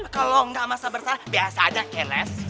kalo enggak masa bersalah biasa aja kayak les